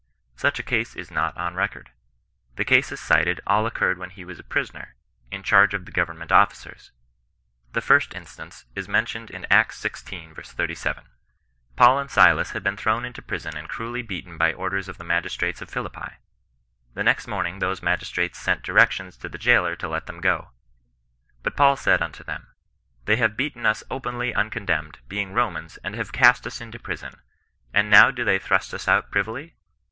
Such a case is not on record. The cases cited all occurred when he was a prisoner, in charge of the government officers. The first instance is mentioned Acts xvi. 37. Paul and ISUas had been thrown into prison and cruelly beaten by order of the magistrates of Philippi. The next morn ing those magistrates sent directions to the jailor to let them go. " But Paul said unto them, they have beaten us openly uncondemned, being Romans, and have cast us into prison ; and now do they thrust us out privily